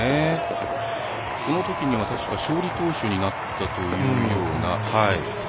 そのときには確か勝利投手になったというような。